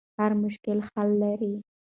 هر مشکل حل لري.